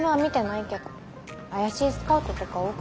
怪しいスカウトとか多くて。